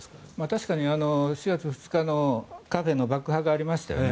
確かに、４月２日のカフェの爆破がありましたよね。